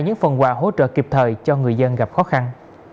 những phần quà hỗ trợ kịp thời cho người dân gặp khó khăn